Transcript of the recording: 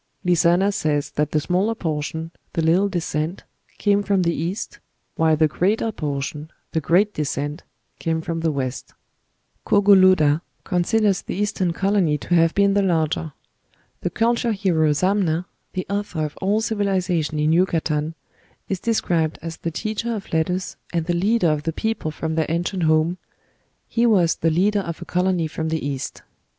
Lizana says that the smaller portion, 'the little descent,' came from the East, while the greater portion, 'the great descent,' came from the West. Cogolluda considers the Eastern colony to have been the larger.... The culture hero Zamna, the author of all civilization in Yucatan, is described as the teacher of letters, and the leader of the people from their ancient home.... He was the leader of a colony from the East."